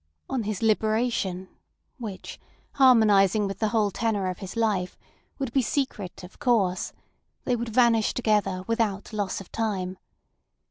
On his liberation, which, harmonising with the whole tenor of his life, would be secret, of course, they would vanish together without loss of time.